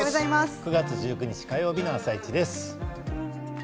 ９月１９日火曜日の「あさイチ」です。